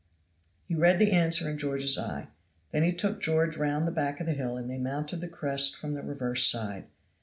He read the answer in George's eye. Then he took George round the back of the hill and they mounted the crest from the reverse side.